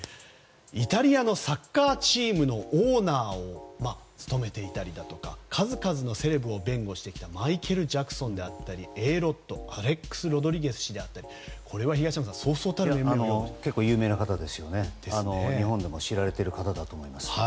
イタリアのサッカーチームのオーナーを務めていたり数々のセレブを弁護してきたマイケル・ジャクソンアレックス・ロドリゲス氏であったり、これは東山さん有名な方で日本でも知られている方だと思います。